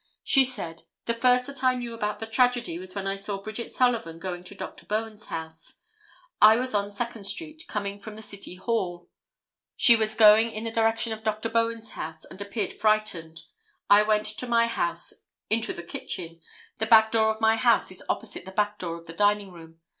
She said: "The first that I knew about the tragedy was when I saw Bridget Sullivan going to Dr. Bowen's house. I was on Second street, coming from the City Hall. She was going in the direction of Dr. Bowen's house and appeared frightened. I went to my house, into the kitchen. The back door of my house is opposite the back door of the dining room.